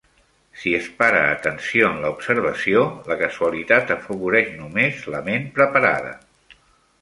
Si es para atenció en la observació, la casualitat afavoreix només la ment preparada.